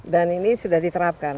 dan ini sudah diterapkan